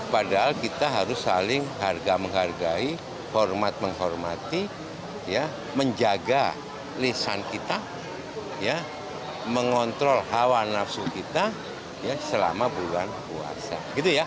padahal kita harus saling harga menghargai hormat menghormati menjaga lisan kita mengontrol hawa nafsu kita selama bulan puasa